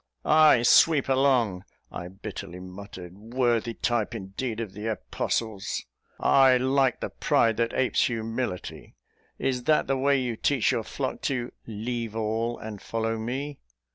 "Ay, sweep along," I bitterly muttered, "worthy type indeed of the apostles! I like the pride that apes humility. Is that the way you teach your flock to 'leave all, and follow me'?"